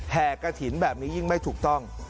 กระถิ่นแบบนี้ยิ่งไม่ถูกต้อง